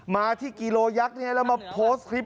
มาที่กิโลยักษ์นี้แล้วมาโพสต์คลิป